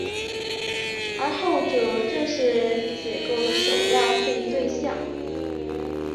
而后者正是解构的首要质疑对象。